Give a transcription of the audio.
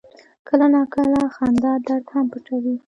کله ناکله خندا درد هم پټوي.